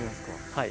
はい。